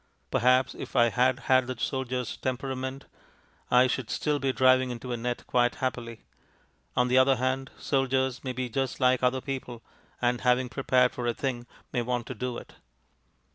Perhaps, if I had had the soldier's temperament, I should still be driving into a net quite happily. On the other hand, soldiers may be just like other people, and having prepared for a thing may want to do it.